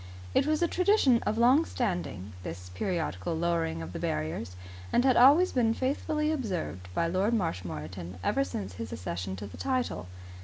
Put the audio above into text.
It was a tradition of long standing, this periodical lowering of the barriers, and had always been faithfully observed by Lord Marshmoreton ever since his accession to the title.